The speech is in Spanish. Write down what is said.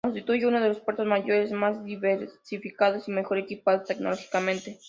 Constituye uno de los puertos mayores, más diversificados y mejor equipados tecnológicamente.